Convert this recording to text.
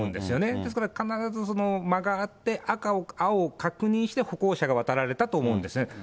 ですから必ず、間があって、青を確認して歩行者が渡られたと思うんですね。